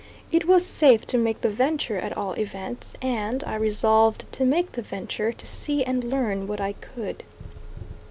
It was safe to make the venture at all events, and, I resolved to make the venture to see and learn what I could.